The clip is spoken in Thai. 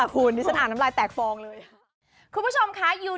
เธอดูมีอารมณ์พอสมควร